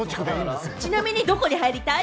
ちなみに、どこに入りたい？